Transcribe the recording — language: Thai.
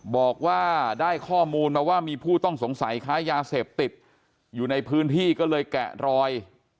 บอกว่าได้ข้อมูลมาว่ามีผู้ต้องสงสัยค้ายาเสพติดอยู่ในพื้นที่ก็เลยแกะรอย